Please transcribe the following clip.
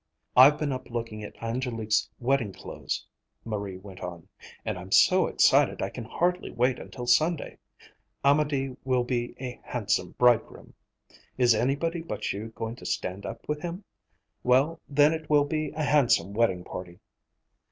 "I've been up looking at Angélique's wedding clothes," Marie went on, "and I'm so excited I can hardly wait until Sunday. Amédée will be a handsome bridegroom. Is anybody but you going to stand up with him? Well, then it will be a handsome wedding party."